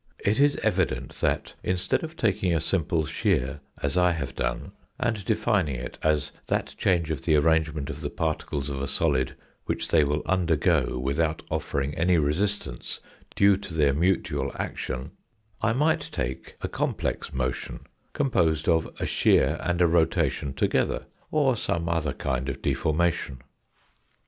It is evident that, instead of taking a simple shear as I have done, and defining it as that change of the arrangement of the particles of a solid which they will undergo without offering any resistance due to their mutual action, I might take a complex motion, composed of a shear and a rotation together, or some other kind of deformation.